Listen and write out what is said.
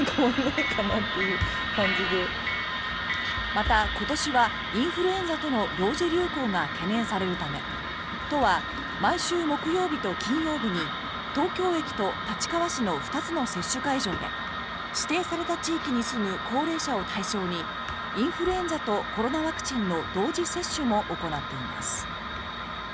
また今年はインフルエンザとの同時流行が懸念されるため都は毎週木曜日と金曜日に東京駅と立川市の２つの接種会場で指定された地域に住む高齢者を対象にインフルエンザとコロナワクチンの同時接種も行っています。